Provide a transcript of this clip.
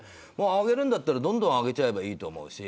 上げるんだったらどんどん上げちゃえばいいと思うし。